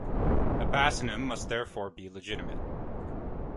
A basionym must therefore be legitimate.